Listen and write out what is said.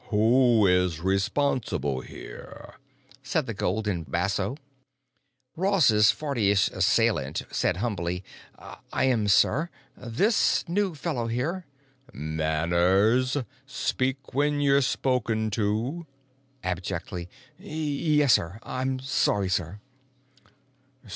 "Who is responsible here?" asked the golden basso. Ross's fortyish assailant said humbly: "I am, sir. This new fellow here——" "Manners! Speak when you're spoken to." Abjectly: "Yes, sir. I'm sorry, sir."